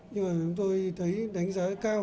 nhưng mà chúng tôi thấy đánh giá cao